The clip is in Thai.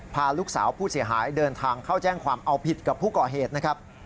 พาลูกสาวผู้เสียหายเดินทางเข้าแจ้งความเอาผิดกับผู้ก่อเหตุนะครับ